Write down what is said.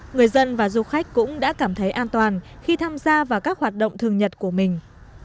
người dân và du khách cũng đã cảm thấy an toàn khi tham gia vào các hoạt động thường nhật của mình